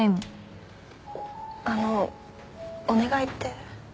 あのお願いって？